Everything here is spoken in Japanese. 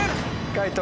解答